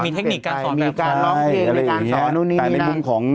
มีเทคนิคการสอนแบบนั้นมีการล๊อคเกมมีการสอนตรงนี้นี่น่ะแต่ในมุมของ